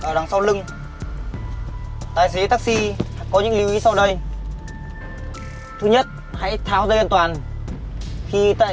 ở đằng sau lưng tài xế taxi có những lưu ý sau đây thứ nhất hãy tháo dây an toàn khi tại